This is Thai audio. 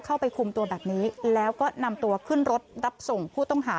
เข้าไปคุมตัวแบบนี้แล้วก็นำตัวขึ้นรถรับส่งผู้ต้องหา